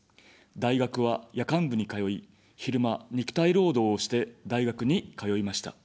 大学は夜間部に通い、昼間、肉体労働をして大学に通いました。